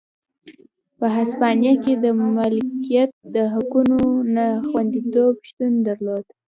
په هسپانیا کې د مالکیت د حقونو نه خوندیتوب شتون درلود.